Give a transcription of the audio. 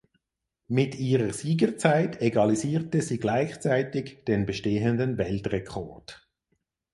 Mit ihrer Siegerzeit egalisierte sie gleichzeitig den bestehenden Weltrekord.